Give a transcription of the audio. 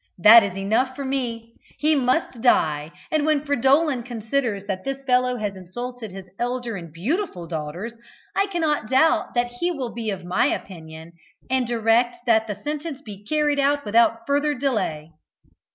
That is enough for me. He must die; and, when Fridolin considers that this fellow has insulted his elder and beautiful daughters, I cannot doubt that he will be of my opinion, and direct that the sentence be carried out without further delay."